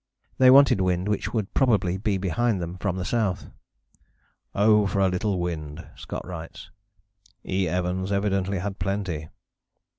They wanted wind, which would probably be behind them from the south. "Oh! for a little wind," Scott writes. "E. Evans evidently had plenty."